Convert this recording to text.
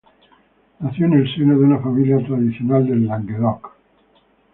Nació en el seno de una familia tradicional de Languedoc.